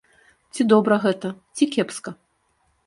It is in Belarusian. Ці добра гэта, ці кепска?